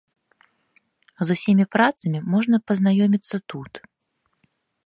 З усімі працамі можна пазнаёміцца тут.